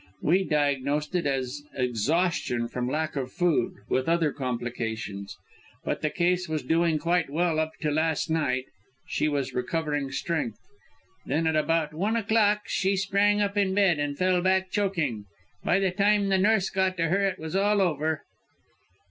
We diagnosed it as exhaustion from lack of food with other complications. But the case was doing quite well up to last night; she was recovering strength. Then, at about one o'clock, she sprang up in bed, and fell back choking. By the time the nurse got to her it was all over."